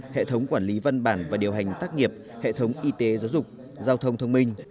hệ thống quản lý văn bản và điều hành tác nghiệp hệ thống y tế giáo dục giao thông thông minh